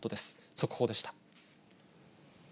速報でした。